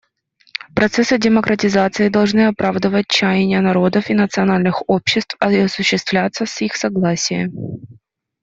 Процессы демократизации должны оправдывать чаяния народов и национальных обществ и осуществляться с их согласия.